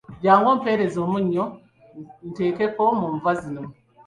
Jjangu ompeereze omunnyo nteekeko mu nva zino.